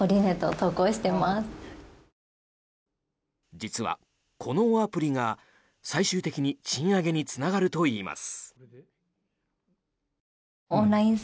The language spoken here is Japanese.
実はこのアプリが最終的に賃上げにつながるといいます。